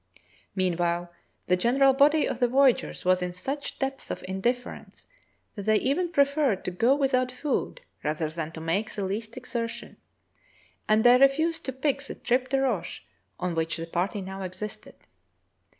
Mean while the general body of the voyageurs was in such depths of indifference that they even preferred to go without food rather than to make the least exertion, and they refused to pick the tripe de roche on which the party now existed.